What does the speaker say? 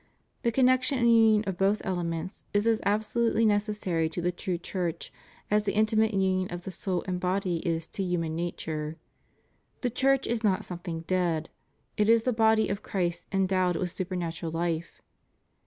The connection and union of both elements is as abso lutely necessary to the true Church as the intimate union of the soul and body is to human nature. The Church is not something dead: it is the body of Christ endowed with supernatural life.